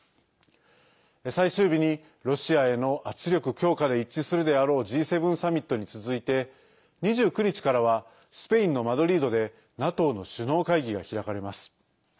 最終日にロシアへの圧力強化で一致するであろうＧ７サミットに続いて２９日からはスペインのマドリードでＮＡＴＯの首脳会議が開かれます。